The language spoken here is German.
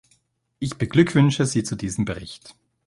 Ich beglückwünsche sie zu diesem Bericht.